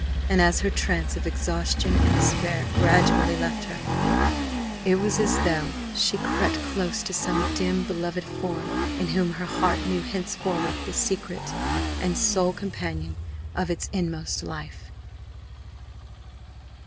And as her trance of exhaustion and despair gradually left her, it was as though she crept close to some dim beloved form in whom her heart knew henceforward the secret and sole companion of its inmost life.